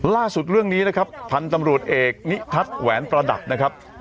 ล่าสุดเรื่องนี้นะครับพันธุ์ตำรวจเอกนิทัศน์แหวนประดับนะครับ